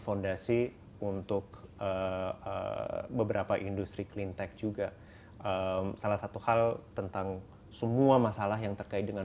fondasi untuk beberapa industri klintak juga salah satu hal tentang semua masalah yang terkait dengan